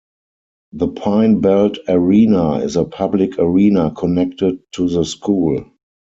The Pine Belt Arena is a public arena connected to the school.